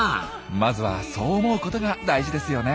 まずはそう思うことが大事ですよね！